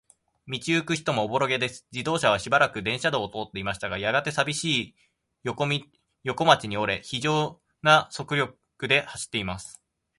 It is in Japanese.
道ゆく人もおぼろげです。自動車はしばらく電車道を通っていましたが、やがて、さびしい横町に折れ、ひじょうな速力で走っています。